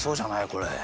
これ。